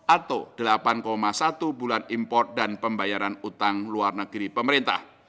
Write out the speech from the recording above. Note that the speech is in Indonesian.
atau delapan satu bulan import dan pembayaran utang luar negeri pemerintah